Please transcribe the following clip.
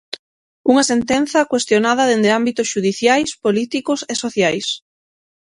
Unha sentenza cuestionada dende ámbitos xudiciais, políticos e sociais.